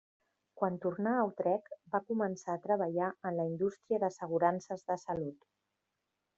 Quan tornà a Utrecht va començar a treballar en la indústria d'assegurances de salut.